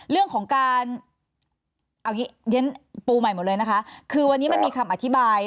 เรื่องของการเอางี้เดี๋ยวปูใหม่หมดเลยนะคะคือวันนี้มันมีคำอธิบาย